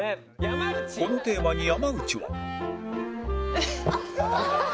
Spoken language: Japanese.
このテーマに山内は